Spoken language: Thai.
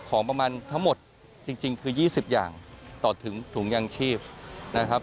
ของประมาณทั้งหมดจริงคือ๒๐อย่างต่อถุงยางชีพนะครับ